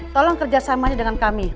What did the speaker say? tolong kerjasamanya dengan kami